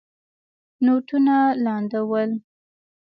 نوټونه لانده ول.